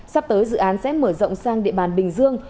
sau đó dự án sẽ mở rộng sang địa bàn bình dương